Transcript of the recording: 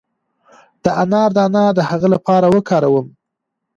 د انار دانه د څه لپاره وکاروم؟